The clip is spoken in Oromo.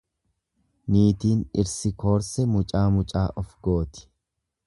Niitiin dhirsi koorse mucaa mucaa of gooti.